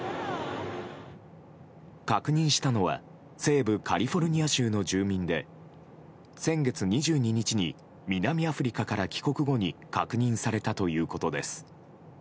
確認したのは西部カリフォルニア州の住民で先月２２日に南アフリカから帰国後に確認されたということです。